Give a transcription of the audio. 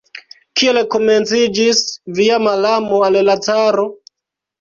Kiel komenciĝis via malamo al la caro?